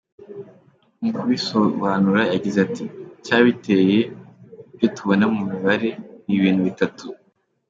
Mu kubisobanura yagize ati “ Icyabiteye, ibyo tubona mu mibare, ni ibintu bitatu.